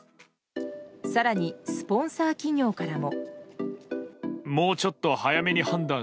更に、スポンサー企業からも。